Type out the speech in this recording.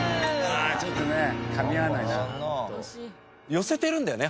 寄せてるんだよね？